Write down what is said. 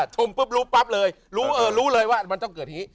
ปุ๊บรู้ปั๊บเลยรู้เออรู้เลยว่ามันต้องเกิดอย่างนี้